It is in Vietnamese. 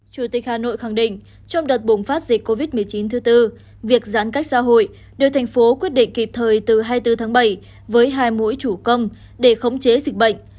chủ tịch hà nội khẳng định trong đợt bùng phát dịch covid một mươi chín thứ tư việc giãn cách xã hội được thành phố quyết định kịp thời từ hai mươi bốn tháng bảy với hai mũi chủ công để khống chế dịch bệnh